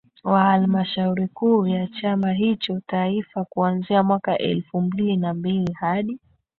wa Halmashauri Kuu ya chama hicho Taifa kuanzia mwaka elfu mbili na mbili hadi